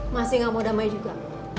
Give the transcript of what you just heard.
masih gak mau damai juga